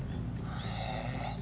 へえ。